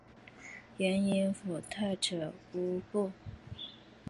原依附泰赤乌部。